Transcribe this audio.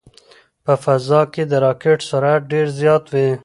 په فضا کې د راکټ سرعت ډېر زیات وي.